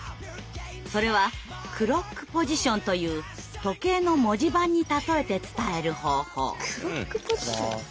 それは「クロックポジション」という時計の文字盤に例えて伝える方法。